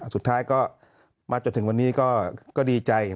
สุดท้ายก็มาจนถึงวันนี้ก็ดีใจ